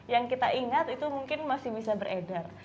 yang kita ingat itu mungkin masih bisa beredar